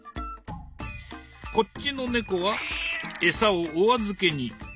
こっちの猫は餌をお預けに。